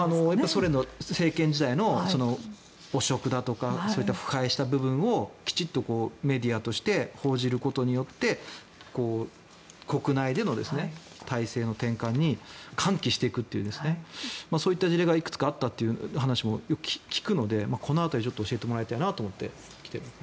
ソ連の政権時代の汚職だとかそういった腐敗した部分をきちんとメディアとして報じることによって国内での体制の転換を喚起していくというそういった事例がいくつかあったという話も聞くのでこのあとで、ちょっと教えてもらいたいなと思って。